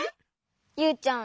ユウちゃん